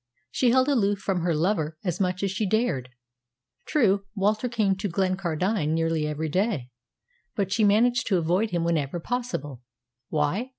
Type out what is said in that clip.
She held aloof from her lover as much as she dared. True, Walter came to Glencardine nearly every day, but she managed to avoid him whenever possible. Why?